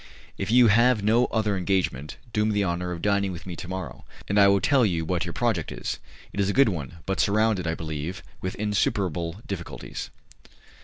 "If you have no other engagement, do me the honour of dining with me to morrow, and I will tell you what your project is. It is a good one, but surrounded, I believe, with insuperable difficulties.